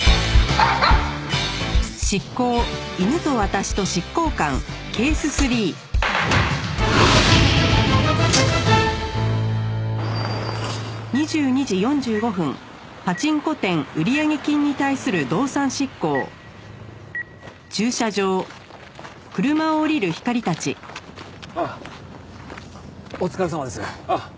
ああお疲れさまです。